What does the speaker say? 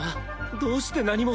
どうして何も。